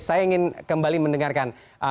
saya ingin kembali mendengarkan